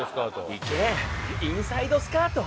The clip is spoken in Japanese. インサイドスカート。